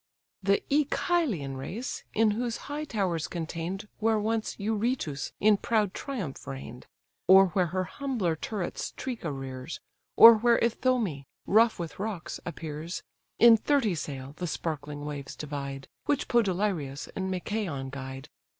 The Œchalian race, in those high towers contain'd Where once Eurytus in proud triumph reign'd, Or where her humbler turrets Tricca rears, Or where Ithome, rough with rocks, appears, In thirty sail the sparkling waves divide, Which Podalirius and Machaon guide.